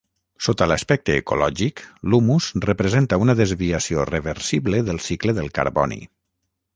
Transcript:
Sota l'aspecte ecològic l'humus representa una desviació reversible del cicle del carboni.